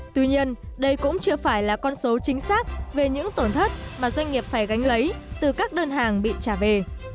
tuy nhiên đây cũng chưa phải là con số chính xác về những tổn thất mà doanh nghiệp phải gánh lấy từ các đơn hàng bị trả về